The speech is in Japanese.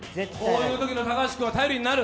こういうときの高橋君は頼りになる？